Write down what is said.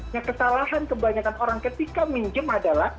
yang kesalahan kebanyakan orang ketika pinjam adalah